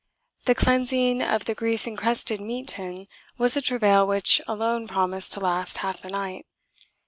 The cleansing of the grease encrusted meat tin was a travail which alone promised to last half the night.